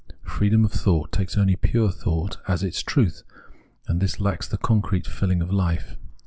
Freedom of thought takes only pure thought as its truth, and this lacks the concrete filhng of hfe.